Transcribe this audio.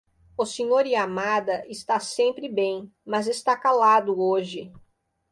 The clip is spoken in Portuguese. O Sr. Yamada está sempre bem, mas está calado hoje.